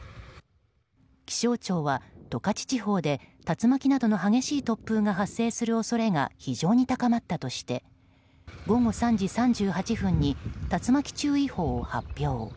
気象庁は、十勝地方で竜巻などの激しい突風が発生する恐れが非常に高まったとして午後３時３８分に竜巻注意情報を発表。